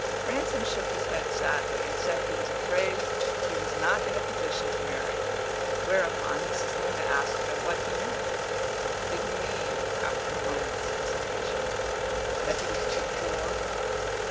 Ransom shook his head sadly, and said he was afraid he was not in a position to marry; whereupon Mrs. Luna asked him what he meant did he mean (after a moment's hesitation) that he was too poor?